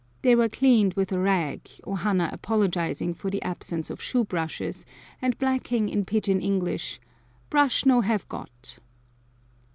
They were cleaned with a rag, O hanna apologizing for the absence of shoe brushes and blacking in pidgeon English: "Brush no have got."